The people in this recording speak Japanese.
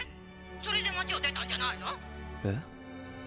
それで街を出たんじゃないの？え？